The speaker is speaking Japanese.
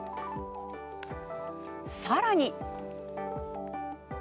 さらに。